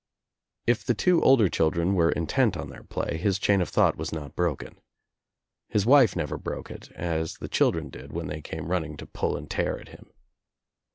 If the two older children were intent on their play his chain of thought was not broken. His wife never broke it as the children did when they came running to pull and tear at him.